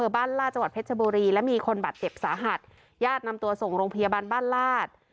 บ้านลาดจังหวัดเพชรบุรีและมีคนบาดเจ็บสาหัสญาตินำตัวส่งโรงพยาบาลบ้านลาด